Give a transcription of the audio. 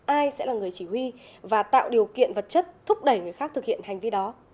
ai sẽ là người chỉ huy và tạo điều kiện vật chất thúc đẩy người khác thực hiện hành vi đó